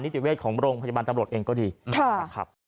นิติเวชของโรงพจบานตำรวดเองก็ดีค่ะ